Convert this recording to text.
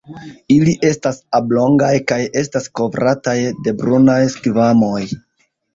Ili estas oblongaj kaj estas kovrataj de brunaj skvamoj.